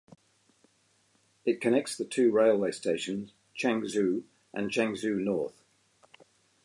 It connects the two railway stations Changzhou and Changzhou North.